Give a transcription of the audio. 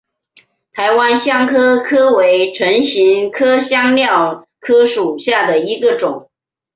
台湾香科科为唇形科香科科属下的一个种。